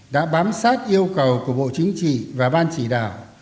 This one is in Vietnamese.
đã bám sát yêu cầu của bộ chính trị và ban chỉ đạo